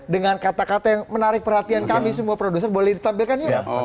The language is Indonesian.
dengan kata kata yang menarik perhatian kami semua produser boleh ditambahkan ya pak jokowi